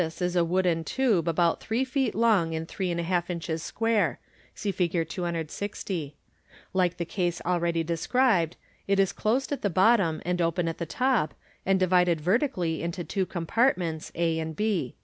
This is a wooden tube, about three feet long, and three and a half inches square. (See Fig. 260.) Like the case already de scribed, it is closed at the bottom and open at the top, and divided vertically into two compartments, a and b.